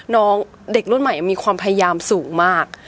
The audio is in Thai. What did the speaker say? น้องเด็กรุ่นใหม่มีความพยายามสูงมาก